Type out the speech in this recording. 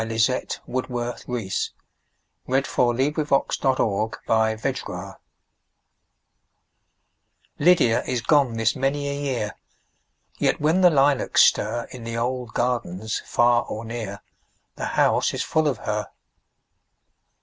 Lizette Woodworth Reese Lydia is gone this many a year LYDIA is gone this many a year, Yet when the lilacs stir, In the old gardens far or near, The house is full of her.